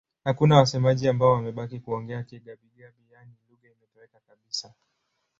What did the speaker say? Hakuna wasemaji ambao wamebaki kuongea Kigabi-Gabi, yaani lugha imetoweka kabisa.